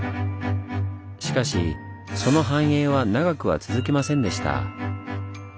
しかしその繁栄は長くは続きませんでした。